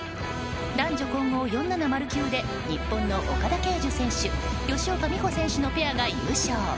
男女混合４７０級で日本の岡田奎樹選手吉岡美帆選手のペアが優勝。